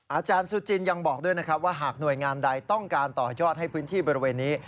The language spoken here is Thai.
อาจารย์สุจินยังบอกด้วยนะครับว่าหากหน่วยงานใดต้องการต่อยอดให้พื้นที่บริเวณนี้